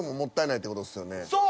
そう！